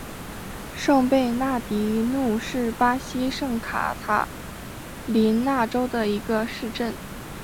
圣贝纳迪努是巴西圣卡塔琳娜州的一个市镇。